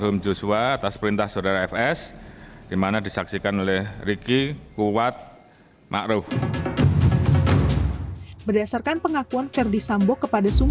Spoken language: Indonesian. sambong lantas memerintahkan richard eliezer untuk menghajar brigadir yosua